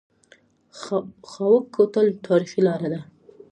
خاوک کوتل تاریخي لاره ده؟